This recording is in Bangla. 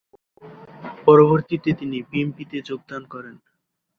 পরবর্তীতে তিনি বিএনপিতে যোগদান করেন।